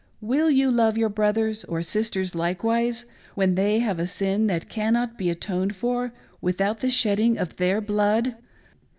Will you love your brothers or sisters likewise when they have a sin that cannot be atoned for without the shedding of their blood